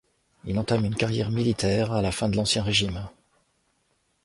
Il entame une carrière militaire à la fin de l'Ancien régime.